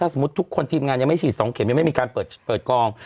สมมุติทุกคนทีมงานยังไม่ฉีด๒เข็มยังไม่มีการเปิดกอง